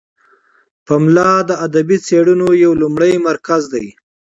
پملا د ادبي څیړنو یو لومړی مرکز دی.